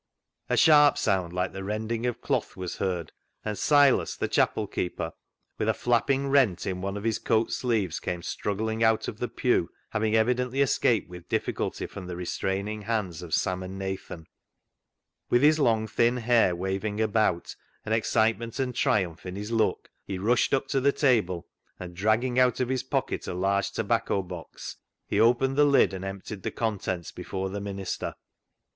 A sharp sound, like the rending of cloth, was heard, and Silas, the chapel keeper, with a flapping rent in one of his coat sleeves, came struggling out of the pew, having evidently escaped with difficulty from the restraining hands of Sam and Nathan. With his long, thin hair waving about, and excitement and triumph in his look, he rushed '•THE ZEAL OF THINE HOUSE" 325 up to the table, and dragging out of his pocket a large tobacco box, he opened the lid and emptied the contents before the minister.